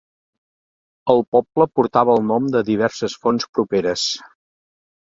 El poble portava el nom de diverses fonts properes.